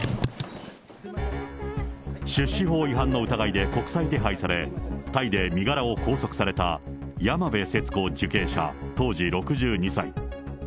出資法違反の疑いで国際手配され、タイで身柄を拘束された山辺節子受刑者当時６２歳。